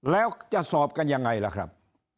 แล้วจะสอบกันยังไงล่ะครับ